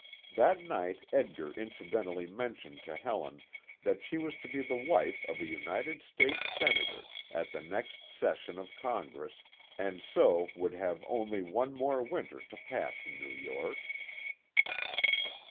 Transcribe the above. That night Edgar incidentally mentioned to Helen that she was to be the wife of a United States Senator, at the next session of Congress, and so would have only one more winter to pass in New York.